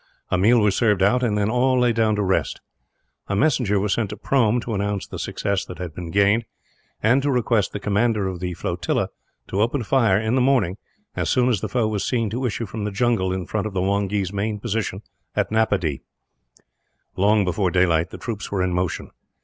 A meal was served out, and then all lay down to rest. A messenger was sent to Prome, to announce the success that had been gained; and to request the commander of the flotilla to open fire, in the morning, as soon as the foe was seen to issue from the jungle in front of the Wongee's main position at Napadee. Long before daylight, the troops were in motion.